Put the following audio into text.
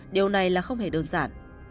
điều này là không hề đơn giản